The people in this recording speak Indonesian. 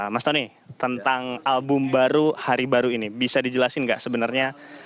mas tony tentang album baru hari baru ini bisa dijelasin nggak sebenarnya